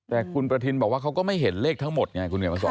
แต่คุณประทินบอกว่าเขาก็ไม่เห็นเลขทั้งหมดไง